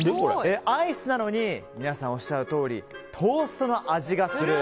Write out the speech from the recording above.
アイスなのに皆さんおっしゃるとおりトーストの味がする。